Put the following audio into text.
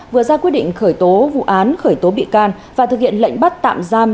vừa ra quyết định khởi tố vụ án khởi tố bị can và thực hiện lệnh bắt tạm giam